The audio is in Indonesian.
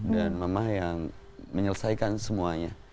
dan mama yang menyelesaikan semuanya